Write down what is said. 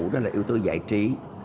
đó là yếu tố giải trí